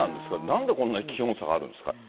なんでこんなに気温差があるんですか。